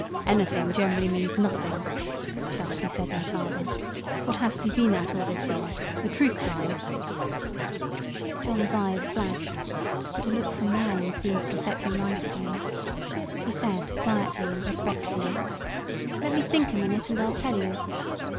"Anything generally means nothing," sharply said my father; "what hast thee been at all this year? The truth, mind!" John's eyes flashed, but a look from mine seemed to set him right again. He said quietly and respectfully, "Let me think a minute, and I'll tell you.